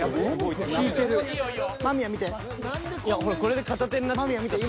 ［いやほらこれで片手になって］